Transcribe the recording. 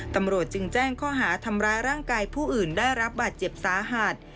ตำรวจจึงแจ้งข้อหาทำร้ายร่างกายผู้อื่นได้รับบาดเจ็บสาหัส